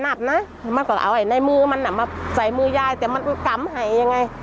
มันก็เอาไอ้ในมือมันมาใส่มือยายแต่มันกำให้ยังไง